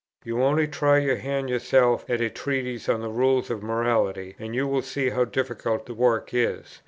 You only try your hand yourself at a treatise on the rules of morality, and you will see how difficult the work is.